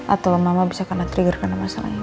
atau mama bisa kena trigger karena masalah ini